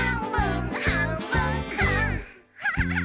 キャハハ！